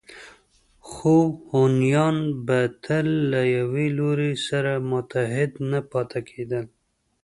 خو هونیان به تل له یوه لوري سره متحد نه پاتې کېدل